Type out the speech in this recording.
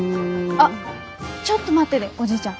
あっちょっと待ってでおじいちゃん。